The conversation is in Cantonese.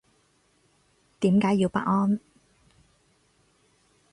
點解要不安